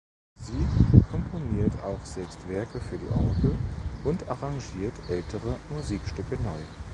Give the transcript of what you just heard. Sie komponiert auch selbst Werke für die Orgel und arrangiert ältere Musikstücke neu.